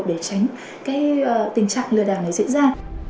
để tránh cái tình trạng lừa đảo này diễn ra